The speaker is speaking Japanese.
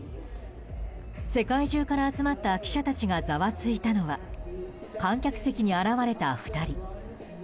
世界中から集まった記者たちがざわついたのは観客席に現れた２人。